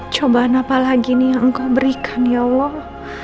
cobaan apa lagi nih yang engkau berikan ya allah